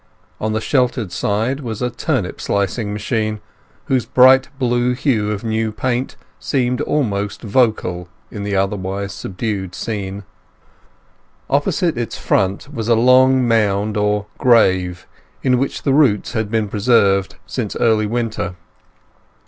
On the sheltered side was a turnip slicing machine, whose bright blue hue of new paint seemed almost vocal in the otherwise subdued scene. Opposite its front was a long mound or "grave", in which the roots had been preserved since early winter.